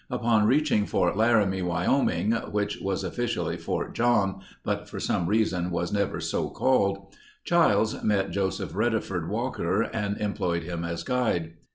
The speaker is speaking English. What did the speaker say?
Upon reaching Fort Laramie, Wyoming (which was officially Fort John, but for some reason was never so called) Chiles met Joseph Reddeford Walker and employed him as guide.